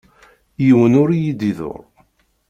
Yiwen ur iyi-iḍurr.